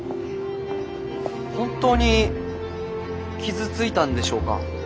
本当に傷ついたんでしょうか。